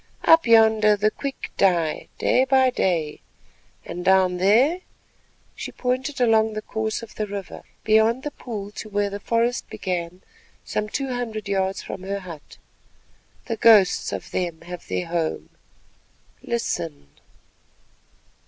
"Up yonder the quick die day by day and down there"—and she pointed along the course of the river beyond the pool to where the forest began some two hundred yards from her hut—"the ghosts of them have their home. Listen!"